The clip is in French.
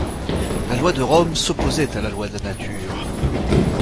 La loi de Rome s'opposait à la loi de la nature.